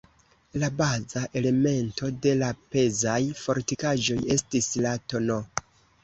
La baza elemento de la pezaj fortikaĵoj estis la tn.